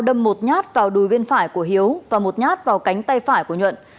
đâm một nhát vào đùi bên phải của hiếu và một nhát vào cánh tay phải của nhuận